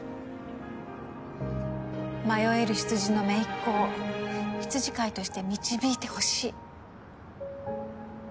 迷える羊のめいっ子を羊飼いとして導いてほしい。